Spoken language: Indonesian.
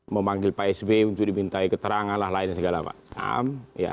memanggil pak s b untuk diminta keterangan dan lain lain segala macam